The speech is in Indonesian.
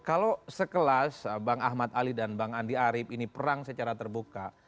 kalau sekelas bang ahmad ali dan bang andi arief ini perang secara terbuka